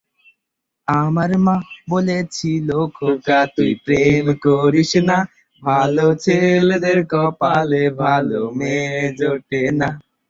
সার্বভৌম পারিবারিক সংস্থা এ স্থানটি তার দরগা হিসেবে মনোনীত করে।